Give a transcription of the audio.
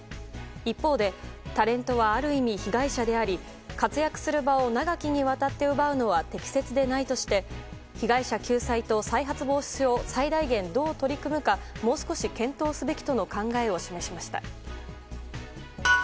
一方で、タレントはある意味被害者であり活躍する場を長きにわたって奪うのは適切でないとして被害者救済と再発防止を最大限どう取り組むかもう少し検討すべきとの考えを示しました。